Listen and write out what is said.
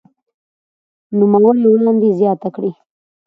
نوموړي وړاندې زياته کړې